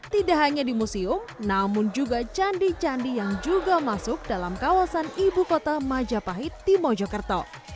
tidak hanya di museum namun juga candi candi yang juga masuk dalam kawasan ibu kota majapahit di mojokerto